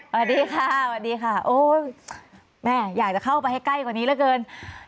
สวัสดีค่ะสวัสดีค่ะโอ้ยแม่อยากจะเข้าไปให้ใกล้กว่านี้เหลือเกิน